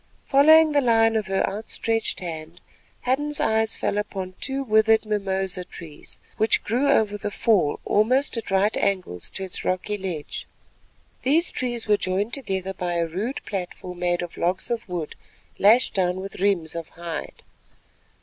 Following the line of her outstretched hand Hadden's eyes fell upon two withered mimosa trees which grew over the fall almost at right angles to its rocky edge. These trees were joined together by a rude platform made of logs of wood lashed down with riems of hide.